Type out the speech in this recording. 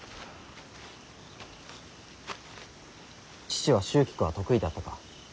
父は蹴鞠は得意だったか。